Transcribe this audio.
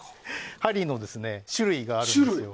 針の種類があるんですよ。